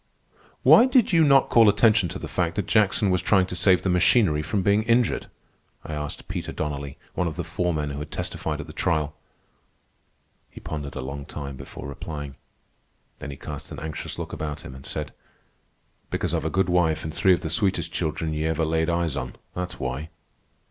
"Why did you not call attention to the fact that Jackson was trying to save the machinery from being injured?" I asked Peter Donnelly, one of the foremen who had testified at the trial. He pondered a long time before replying. Then he cast an anxious look about him and said: "Because I've a good wife an' three of the sweetest children ye ever laid eyes on, that's why."